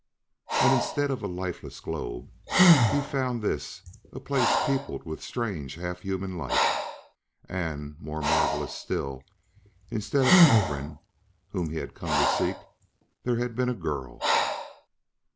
And, instead of a lifeless globe, he had found this: a place peopled with strange, half human life. And, more marvelous still, instead of Haldgren, whom he had come to seek, there had been a girl!